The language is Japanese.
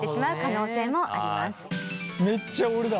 めっちゃ俺だ。